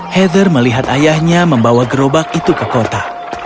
heather melihat ayahnya membawa gerobak itu ke kota